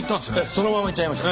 そのままいっちゃいました